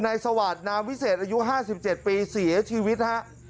นายสวัสดิ์นามวิเศษอายุ๕๗ปีเสียชีวิตครับ